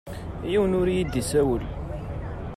Yiwen ur iyi-d-issawel.